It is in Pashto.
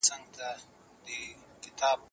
هندوکش ټیټ غر نه دی.